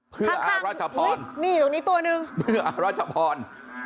เพื่ออาราชพรนี่ตรงนี้ตัวนึงเพื่ออาราชพร